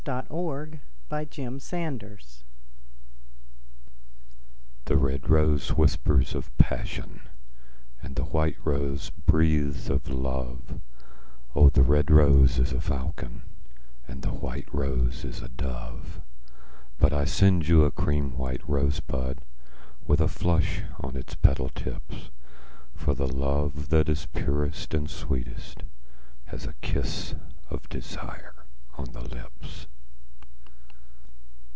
A White Rose THE red rose whispers of passion, And the white rose breathes of love; O the red rose is a falcon, And the white rose is a dove. But I send you a cream white rosebud 5 With a flush on its petal tips; For the love that is purest and sweetest Has a kiss of desire on the lips.